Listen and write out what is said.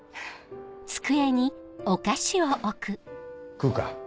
食うか？